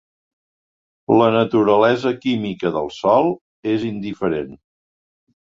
La naturalesa química del sòl és indiferent.